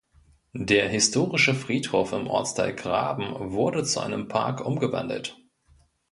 Der historische Friedhof im Ortsteil Graben wurde zu einem Park umgewandelt.